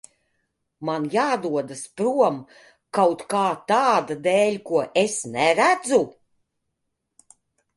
Man jādodas prom kaut kā tāda dēļ, ko es neredzu?